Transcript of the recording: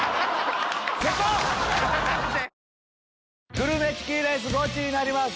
グルメチキンレースゴチになります！